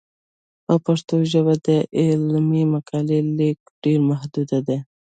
په پښتو ژبه د علمي مقالو لیکل ډېر محدود دي.